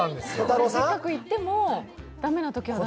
せっかく行っても、駄目なときあるの？